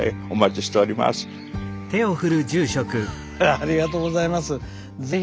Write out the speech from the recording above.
ありがとうございます。